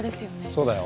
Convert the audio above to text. そうだよ。